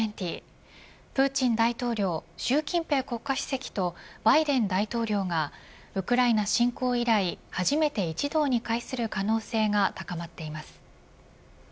プーチン大統領習近平国家主席とバイデン大統領がウクライナ侵攻以来初めて一堂に会する可能性が高まっています。